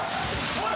おい！